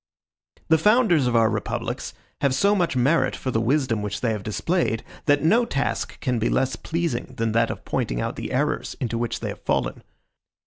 The founders of our republics have so much merit for the wisdom which they have displayed, that no task can be less pleasing than that of pointing out the errors into which they have fallen.